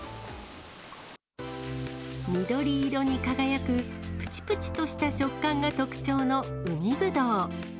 緑色に輝くぷちぷちとした食感が特徴の海ぶどう。